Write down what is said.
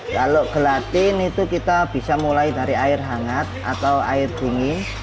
kalau gelatin itu kita bisa mulai dari air hangat atau air dingin